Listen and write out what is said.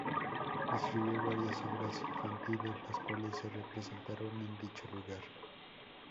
Escribió varias obras infantiles, las cuales se representaron en dicho lugar.